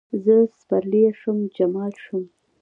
زر سپرلیه شوم، جمال شوم